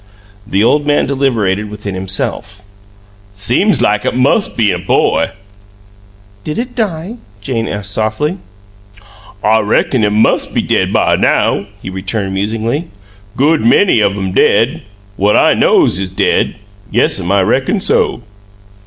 The old man deliberated within himself. "Seem like it mus' been a boy." "Did it die?" Jane asked, softly. "I reckon it mus' be dead by now," he returned, musingly. "Good many of 'em dead: what I KNOWS is dead. Yes'm, I reckon so."